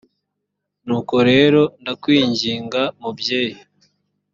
nuko rero ndakwinginga mubyeyi